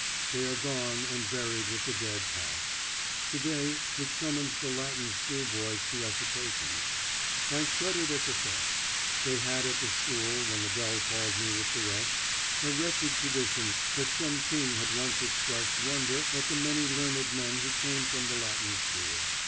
They are gone and buried with the dead past. To day it summons the Latin School boys to recitations. I shuddered at the thought. They had at the school, when the bell called me with the rest, a wretched tradition that some king had once expressed wonder at the many learned men who came from the Latin School.